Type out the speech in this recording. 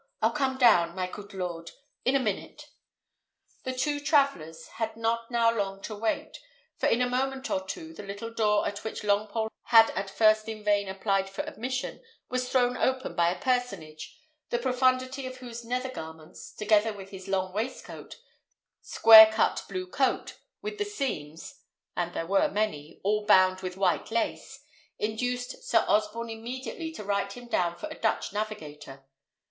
I'll come down, my coot lord, in a minute." The two travellers had not now long to wait; for in a moment or two the little door at which Longpole had at first in vain applied for admission was thrown open by a personage, the profundity of whose nether garments, together with his long waistcoat, square cut blue coat, with the seams, and there were many, all bound with white lace, induced Sir Osborne immediately to write him down for a Dutch navigator.